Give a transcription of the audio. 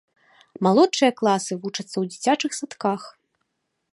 Малодшыя класы вучацца ў дзіцячых садках.